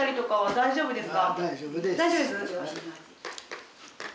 大丈夫です？